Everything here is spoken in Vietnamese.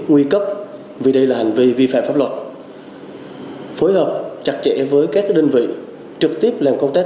nguy cấp vì đây là hành vi vi phạm pháp luật phối hợp chặt chẽ với các đơn vị trực tiếp làm công tác